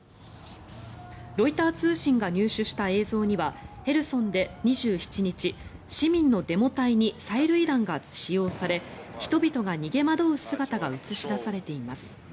ロイター通信が入手した映像にはヘルソンで２７日市民のデモ隊に催涙弾が使用され人々が逃げ惑う姿が映し出されています。